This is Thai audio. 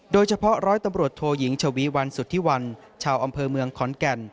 โดยเฉพาะร้อยตำรวจโทยิงชวีวันสุธิวันชาวอำเภอเมืองขอนแก่น